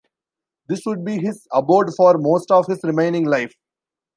This would be his abode for most of his remaining life.